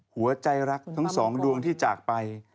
หัวใจรักทั้งสองดวงที่จากไป